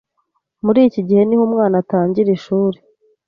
Muri iki gihe niho umwana atangira ishuri